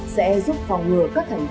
sẽ giúp phòng ngừa các thành viên